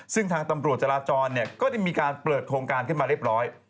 ซึ่งทางตำรวจจราจรก็ได้มีการเปิดโครงการขึ้นมาเรียบร้อย